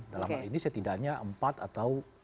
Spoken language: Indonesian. dalam hal ini setidaknya empat atau